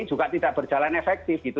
juga tidak berjalan efektif gitu